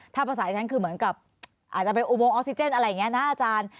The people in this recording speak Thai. ภาษาทั้งเขียบมือการอูโมงออกซิเจนอะไรอย่างนี้นะอาจารย์